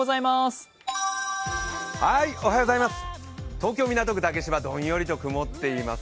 東京・港区竹芝、どんよりと曇っています。